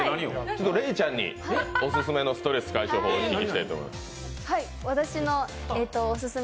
レイちゃんにお勧めのストレス解消法をお聞きしたいと思います。